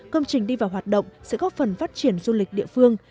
công trình đi vào hoạt động sẽ góp phần phát triển du lịch địa phương